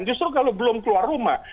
justru kalau belum keluar rumah